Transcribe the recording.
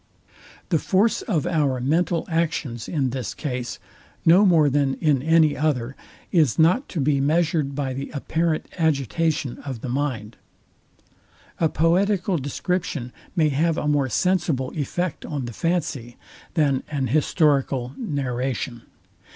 The force of our mental actions in this case, no more than in any other, is not to be measured by the apparent agitation of the mind. A poetical description may have a more sensible effect on the fancy, than an historical narration.